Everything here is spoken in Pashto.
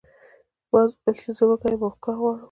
باز وویل چې زه وږی یم او ښکار غواړم.